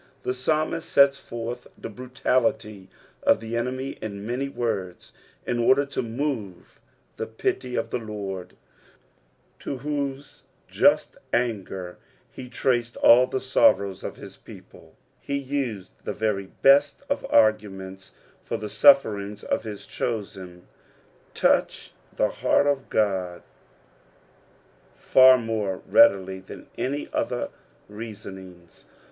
Tbe psalmist sets forth the brntality of the enemy in many words, in otder to move the pity of the Lord, to whose just anger he traced all the sorrows of bis people : he used the very best of arguments, for the sufferings of his chosen touch the heart of God far more readily than any other leasonings.